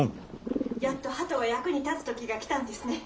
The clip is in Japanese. ・やっと鳩が役に立つ時が来たんですね。